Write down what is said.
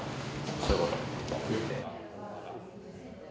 そういうこと。